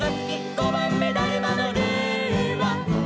「ごばんめだるまのルーは」